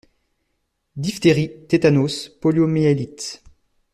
Diphtérie, tétanos, poliomyélite.